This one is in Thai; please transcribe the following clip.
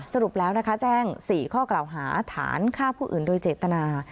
สรุปแล้วนะคะแจ้ง๔ข้อกล่าวหาฐานฆ่าผู้อื่นโดยเจตนา